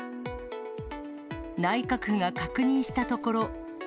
内閣府が確認したところ。